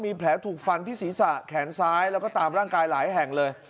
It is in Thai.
มีแผลถูกฟันที่ศีรษะแขนซ้ายแล้วก็ตามร่างกายหลายแห่งเลย